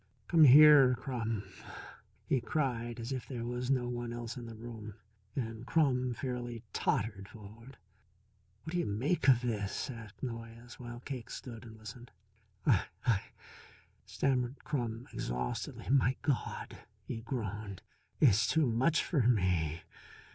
"Come here, Crum," he cried as if there was no one else in the room. And Crum fairly tottered forward. "What do you make of this?" asked Noyes, while Cake stood and listened. "I I " stammered Crum exhaustedly. "My God," he groaned, "it's too much for me.